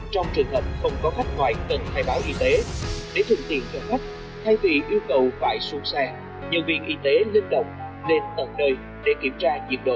trong trường hợp không có khách ngoại cần khai báo y tế để thương tiện cho khách thay vì yêu cầu phải xuống xe nhân viên y tế lên động lên tận nơi để kiểm tra nhiệt độ